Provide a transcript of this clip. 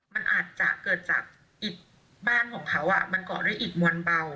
มันอาจจะเกิดจากอิดบ้านของเขามันเกาะด้วยอิดมวลเบา